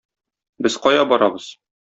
Без кая барабыз?